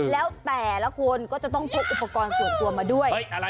แล้วแต่ละคนก็จะต้องพกอุปกรณ์ส่วนตัวมาด้วย